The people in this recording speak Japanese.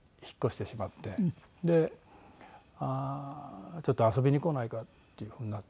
でちょっと遊びに来ないかっていう風になって。